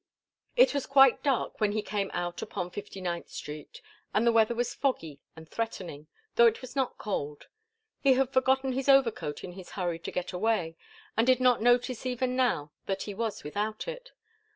It was quite dark when he came out upon Fifty ninth Street, and the weather was foggy and threatening, though it was not cold. He had forgotten his overcoat in his hurry to get away, and did not notice even now that he was without it.